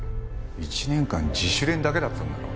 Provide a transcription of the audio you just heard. １年間自主練だけだったんだろ？